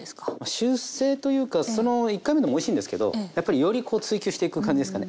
修正というかその１回目のもおいしいんですけどやっぱりよりこう追求していく感じですかね。